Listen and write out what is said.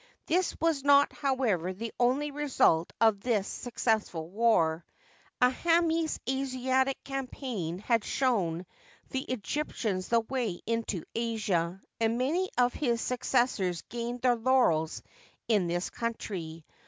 This was not, however, the only result of this success ful war. Aahmes's Asiatic campaign had shown the Egyptians the way into Asia, and many of his successors gained their laurels in this country.